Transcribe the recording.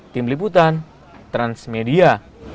tim liputan transmedia